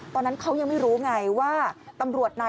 ตอนนั้นเขายังไม่รู้ไงว่าตำรวจนาย